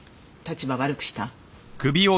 立場悪くした？